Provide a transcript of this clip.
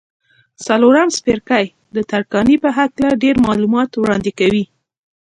څلورم څپرکی د ترکاڼۍ په هکله ډېر معلومات وړاندې کوي.